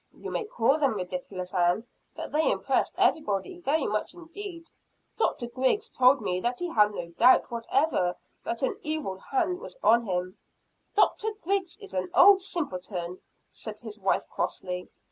"You may call them ridiculous, Ann; but they impressed everybody very much indeed. Dr. Griggs, told me that he had no doubt whatever that an 'evil hand' was on him." "Dr. Griggs is an old simpleton," said his wife crossly.